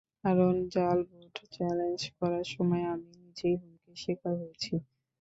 কারণ জাল ভোট চ্যালেঞ্জ করার সময় আমি নিজেই হুমকির শিকার হয়েছি।